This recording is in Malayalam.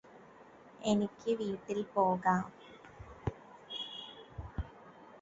എനിക്ക് വീട്ടില് പോകാം